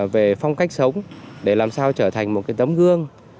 về phong cách sống để làm sao trở thành một cái tấm gương